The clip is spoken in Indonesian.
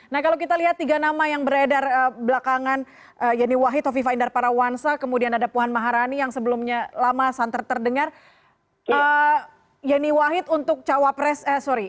nah kalau kita lihat tiga nama yang beredar belakangan yeni wahid toviva indar parawansa kemudian ada puan maharani yang sebelumnya lama santer terdengar